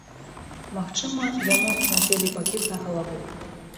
Магчыма, яму надзелі пакет на галаву.